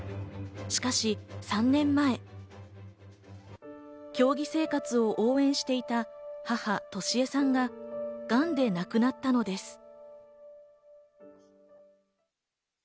しかし３年前、競技生活を応援していた母・俊恵さんががんで亡くなったのです。